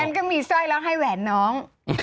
เดี๋ยวก็มีแชร์รักให้แหวนน้อง